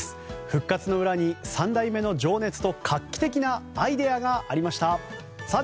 復活の裏に３代目の情熱と画期的なアイデアがありました。